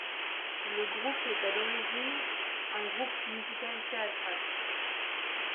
Le groupe est à l'origine un groupe musical théâtral.